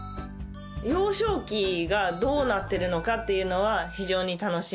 幼少期がどうなってるのかっていうのは非常に楽しみです。